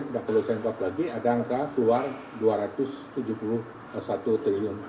sudah perlu semprot lagi ada angka keluar rp dua ratus tujuh puluh satu triliun